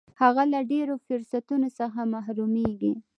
هغه له ډېرو فرصتونو څخه محرومیږي.